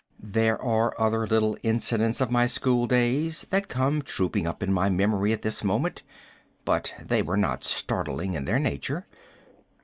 There are other little incidents of my schooldays that come trooping up in my memory at this moment, but they were not startling in their nature.